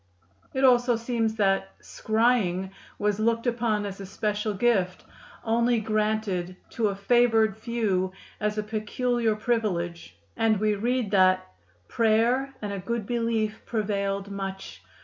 It also seems that "scrying" was looked upon as a special gift, only granted to a favored few as a peculiar privilege, and we read that "Prayer and a good beleefe prevailed much.